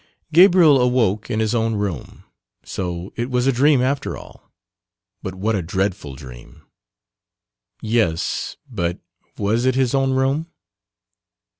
Gabriel awoke in his own room so it was a dream after all but what a dreadful dream. Yes, but was it his own room?